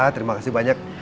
terima kasih banyak